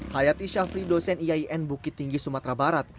hayati syafri dosen iain bukit tinggi sumatera barat